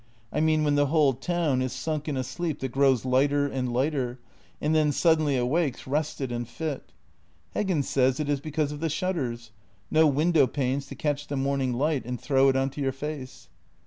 " I mean when the whole town is sunk in a sleep that grows lighter and lighter, and then suddenly awakes rested and fit. Heggen says it is because of the shutters; no window panes to catch the morning light and throw it on to your face."